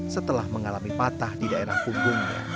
setelah mengalami patah di daerah punggungnya